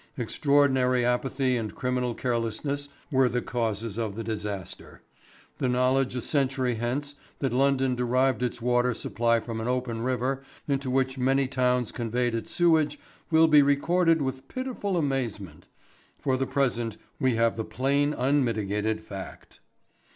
Extraordinary apathy and criminal carelessness were the causes of the disaster. The knowledge a century hence that London derived its water supply from an open river into which many towns conveyed its sewage will be recorded with pitiful amazement. For the present we have the plain unmitigated fact.